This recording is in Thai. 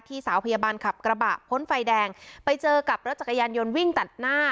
สาวพยาบาลขับกระบะพ้นไฟแดงไปเจอกับรถจักรยานยนต์วิ่งตัดหน้า